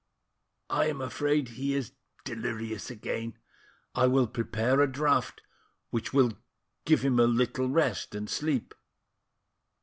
"I am afraid he is delirious again; I will prepare a draught, which will give him a little rest and sleep."